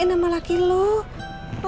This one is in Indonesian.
saya aja nangkut